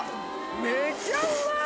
めちゃうまい！